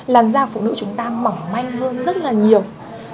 làn da của phụ nữ chúng ta mỏng manh hơn rất là nhiều